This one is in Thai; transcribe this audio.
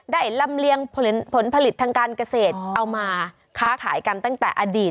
ลำเลียงผลผลิตทางการเกษตรเอามาค้าขายกันตั้งแต่อดีต